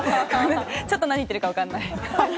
ちょっと何言ってるかわかんない。